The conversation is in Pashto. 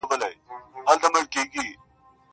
ښېرا چي نه ده زده خو نن دغه ښېرا درته کړم~